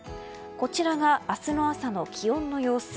こちらが明日の朝の気温の様子。